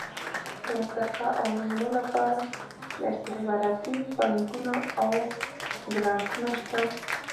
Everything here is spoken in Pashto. د ارتقاء او نمو لپاره استخباراتي فنډونه او ګرانټونه شته.